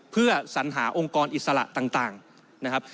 เพื่อสัญหาองค์กรอิสระต่างนะครับ